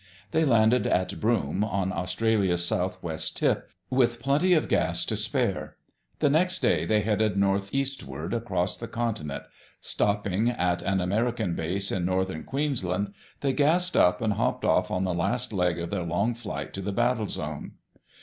They landed at Broome, on Australia's southwest tip, with plenty of gas to spare. The next day they headed northeastward, across the continent. Stopping at an American base in northern Queensland, they gassed up and hopped off on the last leg of their long flight to the battle zone.